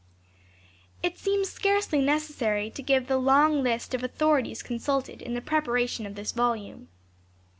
It seems scarcely necessary to give the long list of authorities consulted in the preparation of this volume.